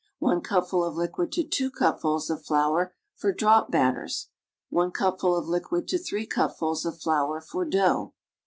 1 cupful of liquid to 'i cupfuls of flour for drop batters. 1 cupful of liquid to 3 cupfuls of flour for dough.